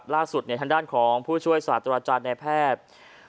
ล่าสุดทางด้านของผู้ช่วยสาตุราชาญนายแพทย์